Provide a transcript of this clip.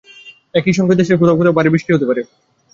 একই সঙ্গে দেশের কোথাও কোথাও ভারী বৃষ্টি হতে পারে।